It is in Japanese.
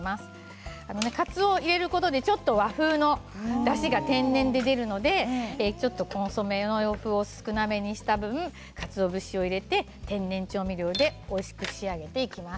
かつおを入れることでちょっと和風のだしが天然で出るのでコンソメを少なくした分かつお節を入れて天然調味料でおいしく仕上げていきます。